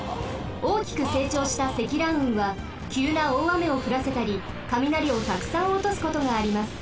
おおきくせいちょうした積乱雲はきゅうなおおあめをふらせたりかみなりをたくさんおとすことがあります。